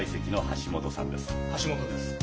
橋本です。